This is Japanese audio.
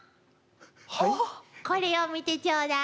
これを見てちょうだい。